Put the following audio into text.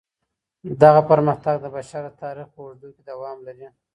دغه پرمختګ د بشر د تاريخ په اوږدو کي دوام لري.